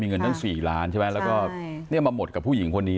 เงินตั้ง๔ล้านใช่ไหมแล้วก็มาหมดกับผู้หญิงคนนี้